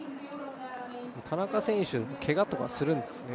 田中選手ケガとかするんですね